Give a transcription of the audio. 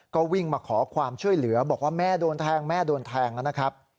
ก็วิ่งมาขอความช่วยเหลือบอกว่าแม่โดนแทงแม่โดนแทงนะครับ